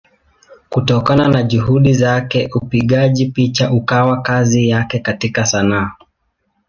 Kutokana na Juhudi zake upigaji picha ukawa kazi yake katika Sanaa.